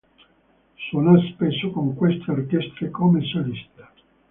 Suonò spesso con queste orchestre come solista.